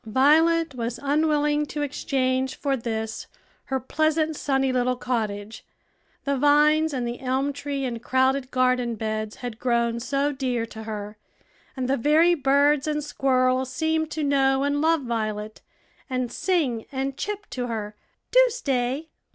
Violet was unwilling to exchange for this her pleasant, sunny little cottage; the vines and the elm tree and crowded garden beds had grown so dear to her, and the very birds and squirrels seemed to know and love Violet, and sing and chip to her, "Do stay."